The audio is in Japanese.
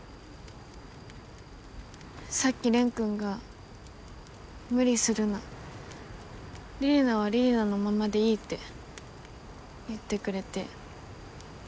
さっき蓮君が「無理するな李里奈は李里奈のままでいい」って言ってくれて。